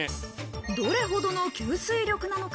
どれほどの吸水力なのか。